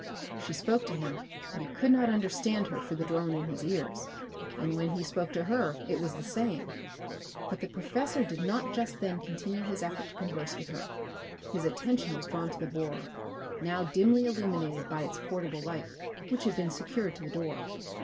She spoke to him, but he could not understand her for the drone in his ears, and when he spoke to her it was the same. But the professor did not just then continue his effort to converse with her. His attention was drawn to the borer, now dimly illuminated by its portable light, which had been secured to the door.